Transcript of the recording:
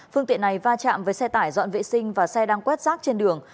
phương tiện này va chạm với xe tải dọn vệ sinh và xe đang quét rác trên đường